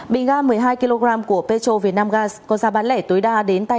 bình ga một mươi hai kg của petro vietnam gas có giá bán lẻ tối đa đến tây